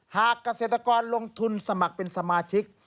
หากเกษตรกรลงทุนสมัครเป็นสมาชิก